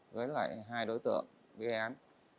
với lại hai đối tượng gây án